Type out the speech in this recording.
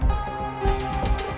ya ada tiga orang